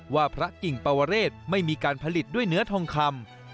ว่าพระกิ่งปวเรศไม่มีการผลิตด้วยเนื้อทองคำ